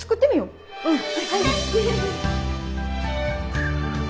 うん！